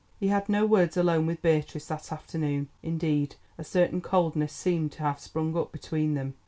He had no words alone with Beatrice that afternoon. Indeed, a certain coldness seemed to have sprung up between them.